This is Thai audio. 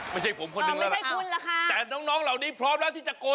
ไม่ใช่ผมคนหนึ่งแหละค่ะแต่น้องเหล่านี้พร้อมแล้วที่จะโกย